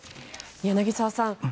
柳澤さん